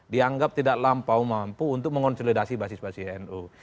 dianggap tidak terlampau mampu untuk mengonsolidasi basis basis anu